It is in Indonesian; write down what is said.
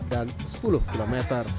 dan sepuluh km